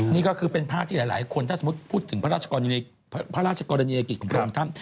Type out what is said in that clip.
นี่ก็คือเป็นภาพที่หลายคนถ้าสมมุติพูดถึงพระราชกรณีพระราชกรณียกิจของพระองค์ท่าน